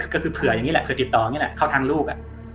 ก็คือเผื่ออย่างนี้แหละเผื่อติดต่ออย่างนี้แหละเข้าทางลูก